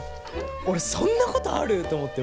俺そんなことある！？と思って。